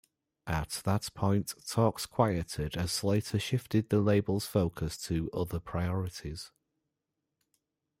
At that point, talks quieted as Slater shifted the label's focus to other priorities.